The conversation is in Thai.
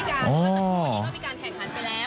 เมื่อสักครู่นี้ก็มีการแข่งขันไปแล้ว